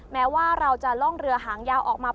แม้ว่าเราจะล่องเรือหางยาวออกมา